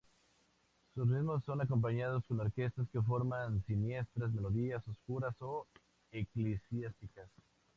Sus ritmos son acompañados con orquestas que forman siniestras melodías oscuras o eclesiásticas.